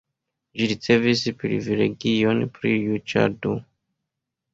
Ĝi ricevis privilegion pri juĝado.